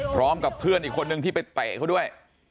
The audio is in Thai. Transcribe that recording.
พร้อมกับเพื่อนอีกคนนึงที่ไปเตะเขาด้วย